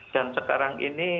dan sekarang ini